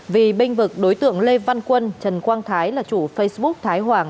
vì binh vực đối tượng lê văn quân trần quang thái là chủ facebook thái hoàng